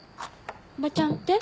おばちゃんって？